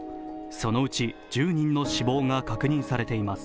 そのうち１０人の死亡が確認されています。